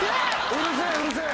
うるせえうるせえ。